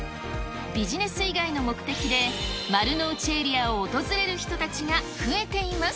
ビジネス以外の目的で丸の内エリアを訪れる人たちが増えています。